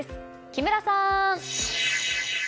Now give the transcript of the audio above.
木村さん。